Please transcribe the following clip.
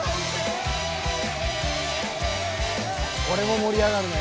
これも盛り上がるね。